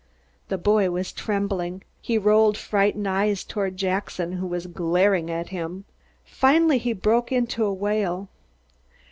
The boy was trembling. He rolled frightened eyes toward Jackson who was glaring at him. Finally he broke into a wail.